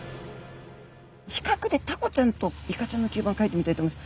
ひかくでタコちゃんとイカちゃんの吸盤をかいてみたいと思います。